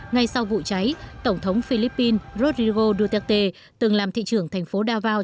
ngay sau vụ cháy tổng thống philippines rodrigo duterte từng làm thị trưởng thành phố davao